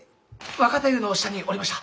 若太夫の下におりました。